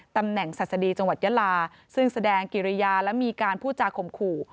ตำแหน่งศัษฎีจังหวัดยาลาซึ่งแสดงกิริยาและมีการพูดจาข่มขู่